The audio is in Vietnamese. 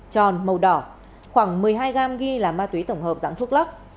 tròn màu đỏ khoảng một mươi hai gam ghi là ma túy tổng hợp dạng thuốc lắc